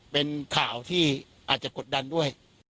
เป็นข่าวที่อาจจะกดดันด้วย